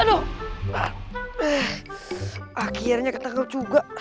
aduh akhirnya ketangkep juga